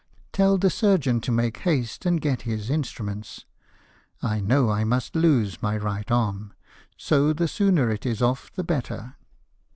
Tell the surgeon to make haste, and get his instru ments. I know I must lose my right arm ; so the sooner it is off the better.""